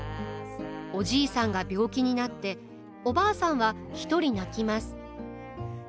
おじいさんが病気になっておばあさんは独り泣きます。